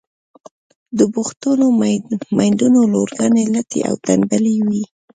د بوختو میندو لورگانې لټې او تنبلې وي.